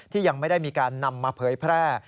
ยังไม่ได้มีการนำมาเผยแพร่